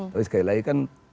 tapi sekali lagi kan